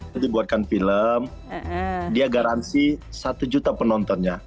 dia dibuatkan film dia garansi satu juta penontonnya